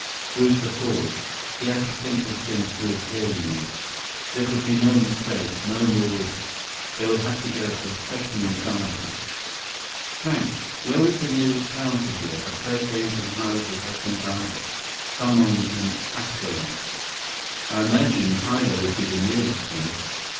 Brewster paused. He had to think this thing through clearly now. There could be no mistakes, no more risks. They would have to get a professional diver. "Hank, where is the nearest town to here—a place where you can hire a professional diver? Someone with an aqualung?" "I imagine Hilo would be the nearest place."